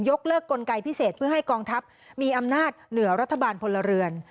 เลิกกลไกพิเศษเพื่อให้กองทัพมีอำนาจเหนือรัฐบาลพลเรือน